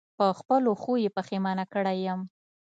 په خپلو ښو یې پښېمانه کړی یم.